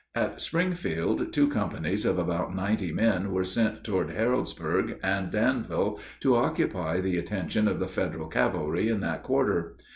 At Springfield two companies of about ninety men were sent toward Harrodsburg and Danville to occupy the attention of the Federal cavalry in that quarter.